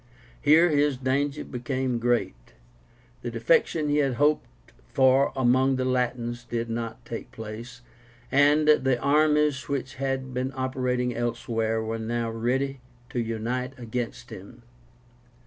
Here his danger became great. The defection he had hoped for among the Latins did not take place, and the armies which had been operating elsewhere were now ready to unite against him.